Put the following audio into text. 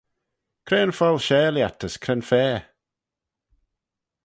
Cre yn fockle share lhiat as cre'n fa?